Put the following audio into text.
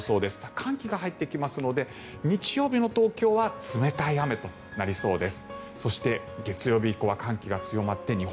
寒気が入ってきますので日曜日の東京は冷たい雨となりそうです。